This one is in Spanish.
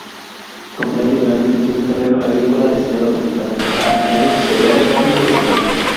Comprende gran extensión de terreno agrícola destinado principalmente a viñedos, cereales y leguminosas.